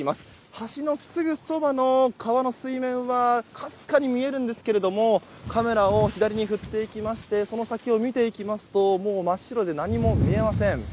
橋のすぐそばの川の水面はかすかに見えるんですがカメラを左に振っていきましてその先を見ていきますともう真っ白で何も見えません。